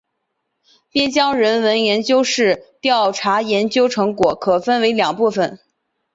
边疆人文研究室调查研究成果可分为两部分。